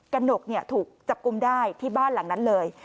หนกถูกจับกลุ่มได้ที่บ้านหลังนั้นเลย